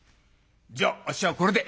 じゃあっしはこれで」。